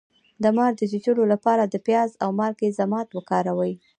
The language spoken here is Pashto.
د مار د چیچلو لپاره د پیاز او مالګې ضماد وکاروئ